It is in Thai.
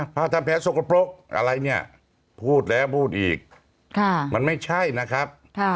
ถ้าทำแพ้สกปรกอะไรเนี่ยพูดแล้วพูดอีกมันไม่ใช่นะครับ